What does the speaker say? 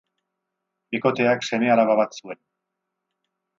Bikoteak seme-alaba bat zuen.